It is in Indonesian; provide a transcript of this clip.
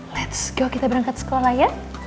let's go kita berangkat sekolah ya